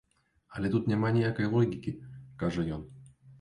Але тут няма ніякай логікі, —кажа ён.